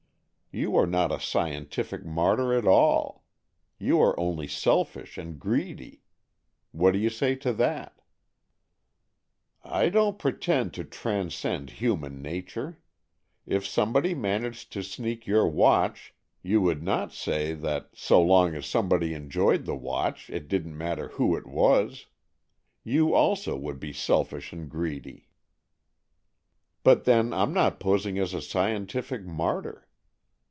You are not a scientific martyr at all. You are only selfish and greedy. What do you say to that ?"" I don't pretend to transcend human nature. If somebody managed to sneak your watch, you would not say that so long 34 , AN EXCHANGE OF SOULS as somebody enjoyed the watch it didn't matter who it was. You also would be selfish and greedy." " But then I'm not posing as a scientific martyr.